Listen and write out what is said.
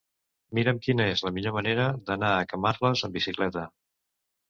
Mira'm quina és la millor manera d'anar a Camarles amb bicicleta.